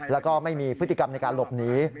แล้วก็ไม่มีพฤติกรรมในการหลบหนี